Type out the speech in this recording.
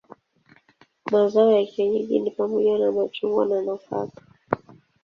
Mazao ya kienyeji ni pamoja na machungwa na nafaka.